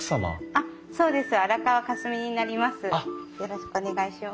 ああそうです。